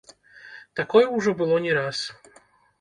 Такое ўжо было не раз.